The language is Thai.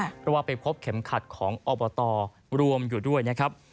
เพราะว่าไปพบเข็มขัดของอบตรวมอยู่ด้วยนะครับ